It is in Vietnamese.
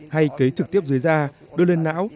hay kế trực tiếp dưới da đưa lên não